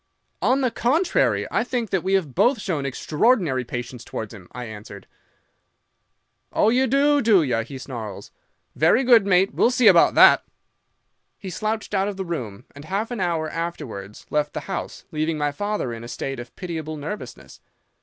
"'"On the contrary, I think that we have both shown extraordinary patience towards him," I answered. "'"Oh, you do, do you?" he snarls. "Very good, mate. We'll see about that!" He slouched out of the room, and half an hour afterwards left the house, leaving my father in a state of pitiable nervousness.